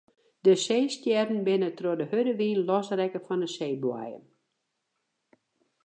De seestjerren binne troch de hurde wyn losrekke fan de seeboaiem.